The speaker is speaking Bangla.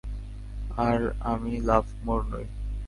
আর আমি লাভমোর নই।